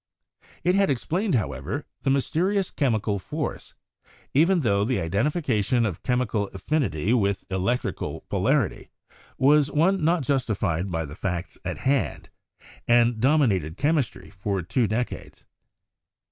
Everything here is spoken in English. It had explained, however, the mysterious chemical force, even tho the identification of chemical affinity with elec trical polarity was one not justified by the facts at hand, and dominated chemistry for two decades.